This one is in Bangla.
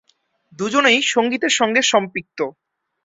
দুজনেই সঙ্গীতের সঙ্গে সম্পৃক্ত।